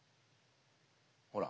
ほら。